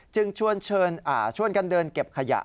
ชวนกันเดินเก็บขยะ